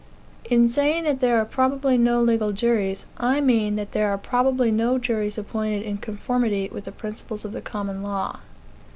In saying that there are probably no legal juries, I mean that there are probably no juries appointed in conformity with the principles of the common law.